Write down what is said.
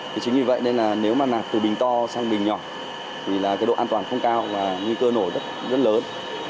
thế chính vì vậy nên là nếu mà nạc từ bình to sang bình nhỏ thì là cái độ an toàn không cao và nguy cơ nổ rất lớn